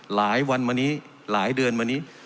หลายวันมานี้หลายเดือนมานี้